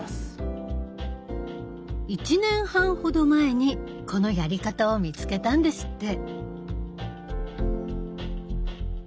１年半ほど前にこのやり方を見つけたんですって。